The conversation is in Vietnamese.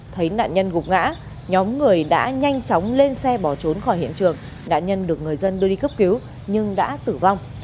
thấy nạn nhân gục ngã nhóm người đã nhanh chóng lên xe bỏ trốn khỏi hiện trường nạn nhân được người dân đưa đi cấp cứu nhưng đã tử vong